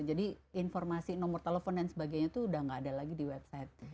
jadi informasi nomor telepon dan sebagainya itu sudah tidak ada lagi di website